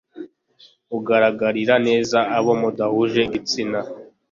ugaragarira neza abo mudahuje igitsina.